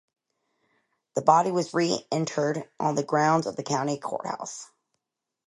The body was re-interred on the grounds of the county courthouse.